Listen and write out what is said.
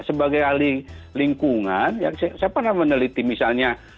sebagai ahli lingkungan saya pernah meneliti misalnya